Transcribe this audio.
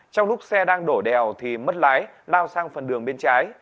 trong lúc xe đang đổ đèo thì mất lái lao sang phần đường bên trái